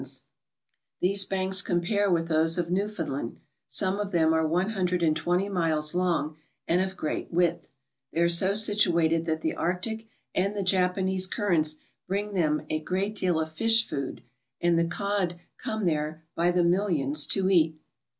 22 ALASKA'S GOLDEN FISHERIES These banks compare with those of Newfoundland. Some of them are one hundred and twenty miles long and of great width. They are so situated that the Arctic and the Japanese currents bring them a great deal of fish food and the cod come there by the millions to eat.